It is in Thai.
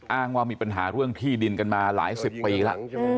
อ้างว่ามีปัญหาเรื่องที่ดินกันมาหลายสิบปีแล้ว